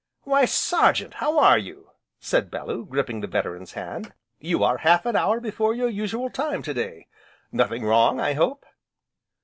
"Why Sergeant, how are you?" said Bellew, gripping the veteran's hand. "You are half an hour before your usual time, to day, nothing wrong, I hope?"